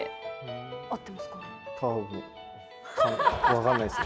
分かんないっす。